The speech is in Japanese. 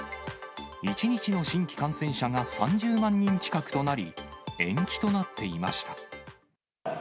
１日の新規感染者が３０万人近くとなり、延期となっていました。